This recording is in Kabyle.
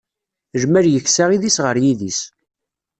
Lmal yeksa idis ɣer yidis.